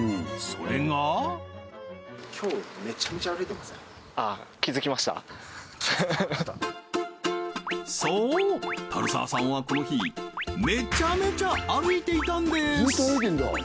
それがそう足澤さんはこの日めちゃめちゃ歩いていたんです